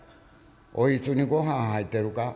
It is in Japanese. お櫃にごはん入ってるか？